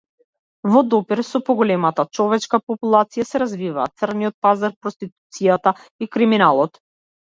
Во допир со поголемата човечка популација се развиваат црниот пазар, проституцијата и криминалот.